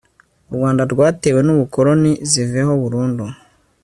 u rwanda rwatewe n'ubukoloni ziveho burundu